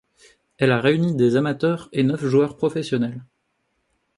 Elle a réuni des amateurs et neuf joueurs professionnels.